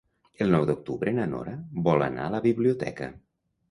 El nou d'octubre na Nora vol anar a la biblioteca.